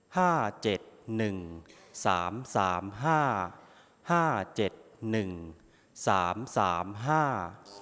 ห้าเจ็ดหนึ่งสามสามห้าห้าเจ็ดหนึ่งสามสามห้า